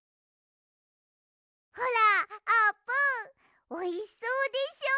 ほらあーぷんおいしそうでしょ？